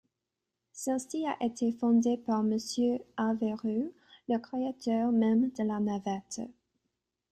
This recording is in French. Celle-ci a été fondée par monsieur Aveyrous, le créateur même de la navette.